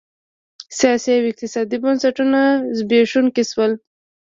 سیاسي او اقتصادي بنسټونه زبېښونکي شول.